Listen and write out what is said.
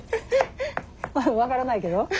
分からないけど。